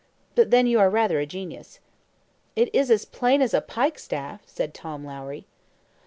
but then you are rather a genius." "It is as plain as a pikestaff," said Tom Lowrie.